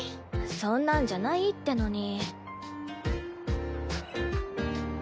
そんなんじゃないってのに。